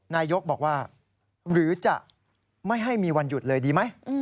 นายกบอกว่าหรือจะไม่ให้มีวันหยุดเลยดีไหม